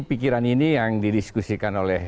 pikiran ini yang didiskusikan oleh